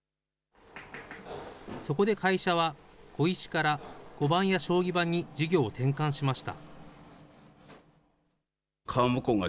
そこで会社は、碁石から碁盤や将棋盤に事業を転換しました。